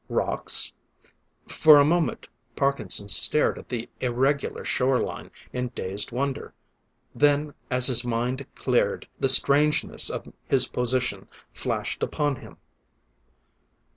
Rocks? For a moment Parkinson stared at the irregular shore line in dazed wonder. Then as his mind cleared, the strangeness of his position flashed upon him.